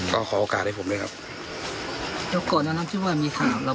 ก็ขอโอกาสให้ผมด้วยครับ